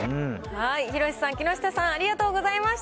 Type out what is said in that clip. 廣瀬さん、木下さん、ありがとうございました。